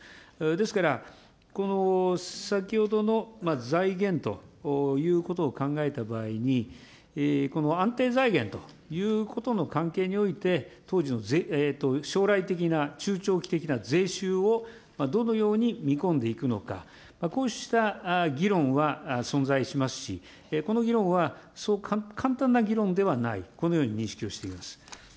ですから、この先ほどの財源ということを考えた場合に、この安定財源ということの関係において、当時の、将来的な中長期的な税収をどのように見込んでいくのか、こうした議論は存在しますし、この議論はそう簡単な議論ではない、このように認識をしています。